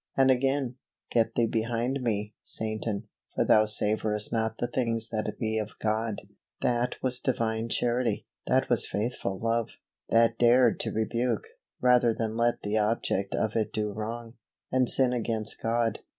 And again, "Get thee behind me, Satan, for thou savourest not the things that be of God;" that was Divine Charity, that was faithful love, that dared to rebuke, rather than let the object of it do wrong, and sin against God.